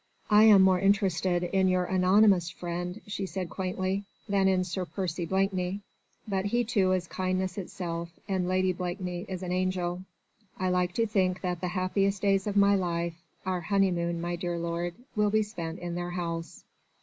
"I am more interested in your anonymous friend," she said quaintly, "than in Sir Percy Blakeney. But he too is kindness itself and Lady Blakeney is an angel. I like to think that the happiest days of my life our honeymoon, my dear lord will be spent in their house."